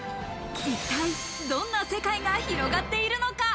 一体、どんな世界が広がっているのか？